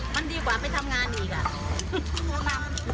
มันดีกว่าไปทำงานอีกอ่ะ